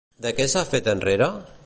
De què s'ha fet enrere?